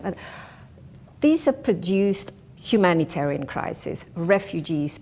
ini adalah krisis humanitaris yang telah dihasilkan